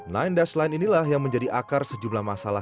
sembilan dash line inilah yang menjadi akar sejumlah masalah